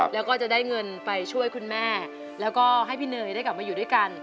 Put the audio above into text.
แล้วลูกนะสู้ไหมสู้ค่ะ